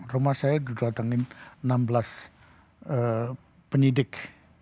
rumah saya didatangin enam belas penyidik